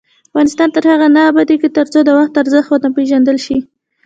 افغانستان تر هغو نه ابادیږي، ترڅو د وخت ارزښت ونه پیژندل شي.